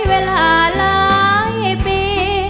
เวลาหลายปี